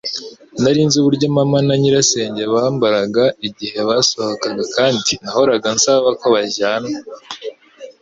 Nari nzi uburyo mama na nyirasenge bambaraga igihe basohokaga, kandi nahoraga nsaba ko bajyana.